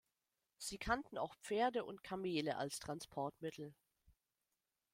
Sie kannten auch Pferde und Kamele als Transportmittel.